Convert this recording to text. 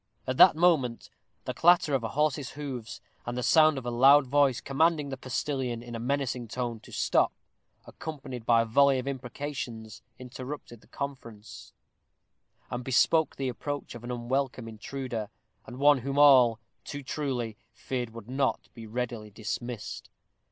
At the moment the clatter of a horse's hoofs, and the sound of a loud voice, commanding the postilion, in a menacing tone, to stop, accompanied by a volley of imprecations, interrupted the conference, and bespoke the approach of an unwelcome intruder, and one whom all, too truly, feared would not be readily dismissed.